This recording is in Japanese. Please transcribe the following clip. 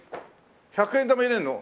１００円玉入れるの？